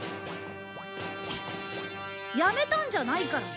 やめたんじゃないからな。